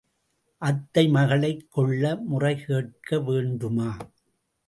அத்தை மகளைச் கொள்ள முறை கேட்க வேண்டுமா?